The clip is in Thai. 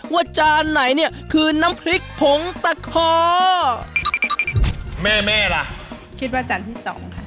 จานไหนเนี่ยคือน้ำพริกผงตะคอแม่แม่ล่ะคิดว่าจานที่สองค่ะ